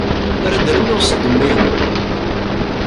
La d-rennuɣ seg ddemma-inu.